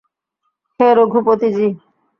হে রঘুপতি জী!